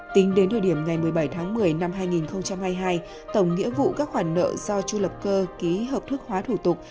tính đến thời điểm ngày một mươi bảy tháng một mươi năm hai nghìn hai mươi hai tổng nghĩa vụ các khoản nợ do chu lập cơ ký hợp thức hóa thủ tục